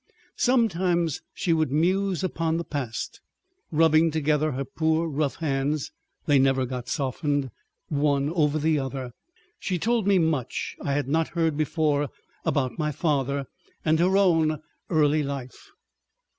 Sometimes she would muse upon the past, rubbing together her poor rough hands—they never got softened—one over the other. She told me much I had not heard before about my father, and her own early life.